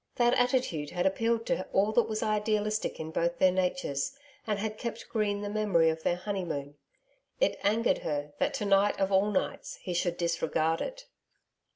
That attitude had appealed to all that was idealistic in both their natures, and had kept green the memory of their honeymoon. It angered her that to night, of all nights, he should disregard it.